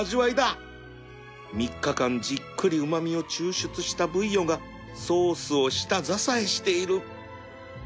３日間じっくりうま味を抽出したブイヨンがソースを下支えしている